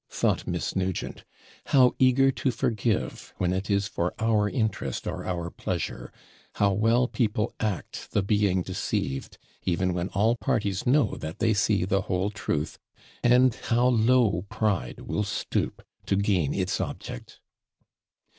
thought Miss Nugent; 'how eager to forgive, when it is for our interest or our pleasure; how well people act the being deceived, even when all parties know that they see the whole truth; and how low pride will stoop to gain its object!'